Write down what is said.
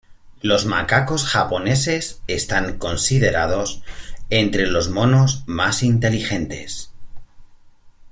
Los macacos japoneses están considerados entre los monos más inteligentes.